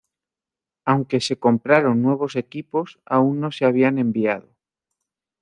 Aunque se compraron nuevos equipos, aún no se habían enviado.